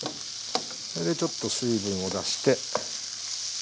それでちょっと水分を出して。